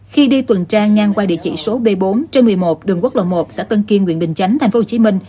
khi đi tuần tra ngang qua địa chỉ số b bốn trên một mươi một đường quốc lộ một xã tân kiên nguyện bình chánh tp hcm